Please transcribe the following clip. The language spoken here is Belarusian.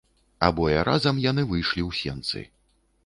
Абое разам яны выйшлі ў сенцы.